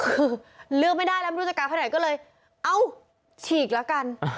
คือเลือกไม่ได้แล้วไม่รู้จะกลับแค่ไหนก็เลยเอ้าฉีกแล้วกัน